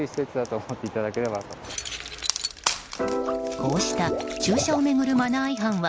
こうした駐車を巡るマナー違反は